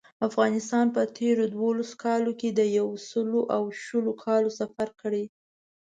افغانستان په تېرو دولسو کالو کې د یو سل او شلو کالو سفر کړی.